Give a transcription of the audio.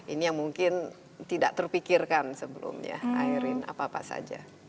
ini yang mungkin tidak terpikirkan sebelumnya ayrin apa apa saja